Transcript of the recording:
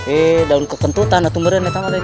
eh daun kekentutan atuh meren